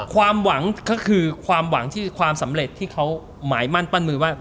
ความหวังก็คือความสำเร็จที่เขาหมายมั่นปั้นมือว่า